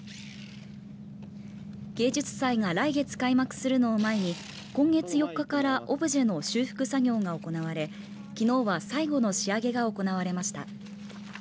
芸術祭が来月開幕するのを前に今月４日からオブジェの修復作業が行われきのうは最後の仕上げが行われました。